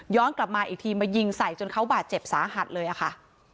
กลับมาอีกทีมายิงใส่จนเขาบาดเจ็บสาหัสเลยอะค่ะ